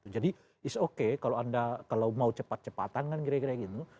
jadi it's okay kalau anda mau cepat cepatan kan kira kira gitu